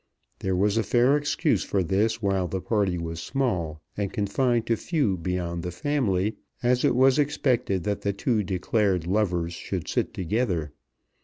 There was a fair excuse for this while the party was small, and confined to few beyond the family, as it was expected that the two declared lovers should sit together.